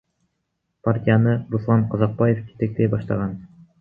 Партияны Руслан Казакбаев жетектей баштаган.